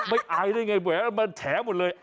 ไม่อายได้ไงมันแถวหมดเลย